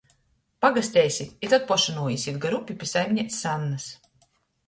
Pagasteisit i tod poši nūīsit gar upi pi saimineicys Annys.